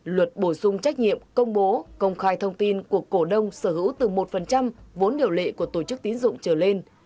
luật bổ sung trách nhiệm công bố công khai thông tin của cổ đông sở hữu từ một vốn điều lệ của tổ chức tín dụng trở lên